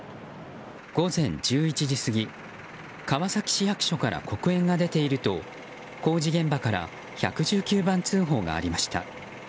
午前１１時過ぎ川崎市役所から黒煙が出ていると工事現場から１１９番通報がありました。